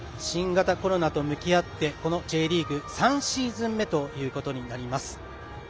新型コロナと向き合ってＪリーグ３シーズン目となります。